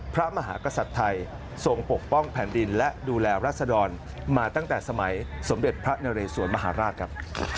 พระมหากษัตริย์ไทยทรงปกป้องแผ่นดินและดูแลรัศดรมาตั้งแต่สมัยสมเด็จพระนเรสวนมหาราชครับ